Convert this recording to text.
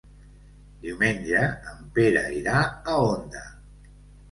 Diumenge en Pere irà a Onda.